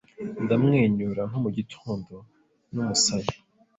Ndamwenyura nko mugitondo numusaya